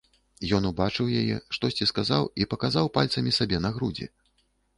Ён убачыў яе, штосьці сказаў і паказаў пальцамі сабе на грудзі.